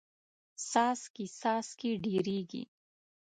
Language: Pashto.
څاڅکې څاڅکې ډېریږي.